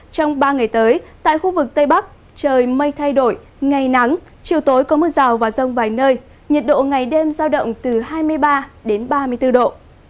trong ba ngày tới tại khu vực tây bắc trời mây thay đổi ngày nắng chiều tối có mưa rào và rông vài nơi nhiệt độ ngày đêm giao động từ hai mươi ba đến ba mươi bốn độ